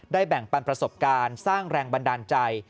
แบ่งปันประสบการณ์สร้างแรงบันดาลใจ